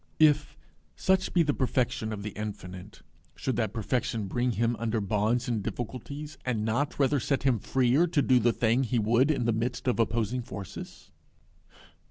If such be the perfection of the Infinite, should that perfection bring him under bonds and difficulties, and not rather set him freer to do the thing he would in the midst of opposing forces?